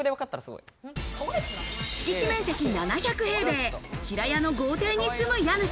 敷地面積７００平米、平屋の豪邸に住む家主。